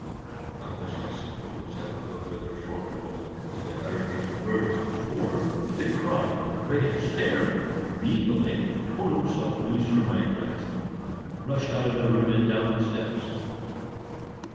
I must, I suppose, have looked rather formidable as I uttered these words, for, with a cry of the greatest terror, B tore himself loose from my grasp, rushed out of the room, and down the steps."